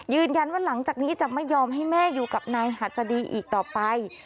ยืนยันว่าหลังจากนี้จะไม่ยอมให้แม่อยู่กับนายหัสดีอีกต่อไป